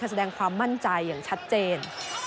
แสดงความมั่นใจอย่างชัดเจน